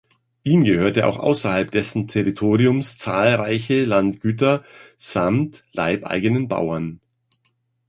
Ihm gehörte auch außerhalb dessen Territoriums zahlreiche Landgüter samt leibeigenen Bauern.